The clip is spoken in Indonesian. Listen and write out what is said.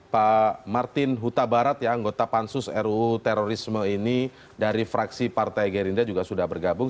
pak martin huta barat ya anggota pansus ruu terorisme ini dari fraksi partai gerindra juga sudah bergabung